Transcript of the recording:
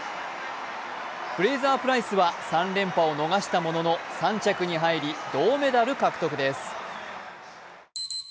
フレイザープライスは３連覇を逃したものの３着に入り、銅メダル獲得です。